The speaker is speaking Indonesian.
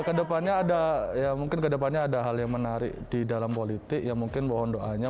ketepannya ada mungkin ke depannya ada hal yang menarik di dalam politiknya mungkin bohon doanya